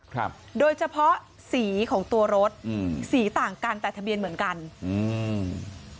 ครับโดยเฉพาะสีของตัวรถอืมสีต่างกันแต่ทะเบียนเหมือนกันอืม